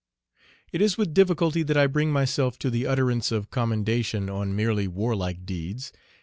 It is with difficulty that I bring myself to the utterance of commendation on merely warlike deeds.